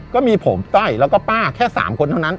ก็มีผมต้อยแล้วก็ป้าแค่๓คนเท่านั้น